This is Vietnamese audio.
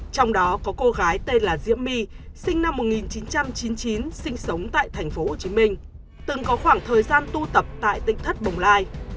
trong đó có cô gái tên là diễm my sinh năm một nghìn chín trăm chín mươi chín sinh sống tại tp hcm từng có khoảng thời gian tu tập tại tỉnh thất bồng lai